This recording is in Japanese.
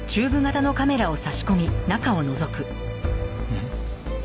うん？